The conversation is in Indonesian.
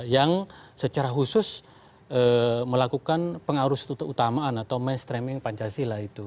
yang secara khusus melakukan pengarus tutup utamaan atau mainstreaming pancasila itu